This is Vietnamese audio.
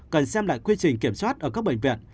cần xem lại quy trình kiểm soát ở các bệnh viện